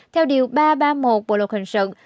theo điều ba trăm ba mươi một bộ luật hình sự